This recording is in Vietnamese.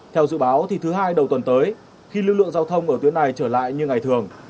theo dự báo thứ hai đầu tuần tới khi lưu lượng giao thông ở tuyến này trở lại như ngày thường